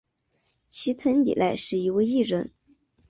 齐藤里奈是一位艺人。